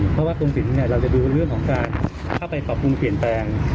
เพราะว่ากรมศิลป์เราจะดูเรื่องของการเข้าไปปรับปรุงเปลี่ยนแปลง